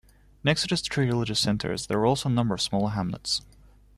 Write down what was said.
Next to those three village centres, there are also a number of smaller hamlets.